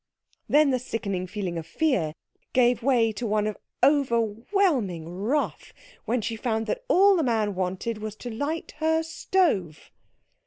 Then the sickening feeling of fear gave way to one of overwhelming wrath when she found that all the man wanted was to light her stove.